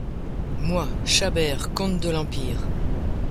Moi, Chabert, comte de l’Empire !